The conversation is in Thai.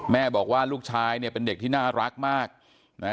แม่บอกว่าลูกชายเนี่ยเป็นเด็กที่น่ารักมากนะฮะ